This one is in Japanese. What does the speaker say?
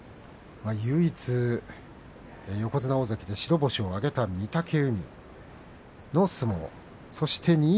横綱大関で唯一白星を挙げた御嶽海の相撲。